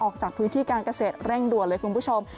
ออกจากพื้นที่การเกษตรเร่งด่วนเลยคุณผู้ชม